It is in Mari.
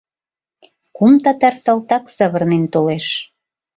Кум татар салтак савырнен толеш.